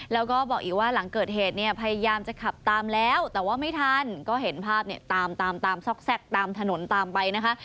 แล้วก็บอกอีกว่าหลังเกิดเหตุเนี่ยพยายามจะขับตามแล้วแต่ว่าไม่ทันก็เห็นภาพเนี่ยตามตามซอกแทรกตามถนนตามไปนะคะ